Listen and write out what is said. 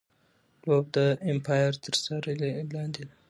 لوبه د ایمپایر تر څار لاندي ده.